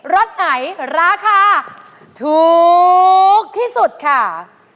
รสไหนราคาถูกที่สุดค่ะ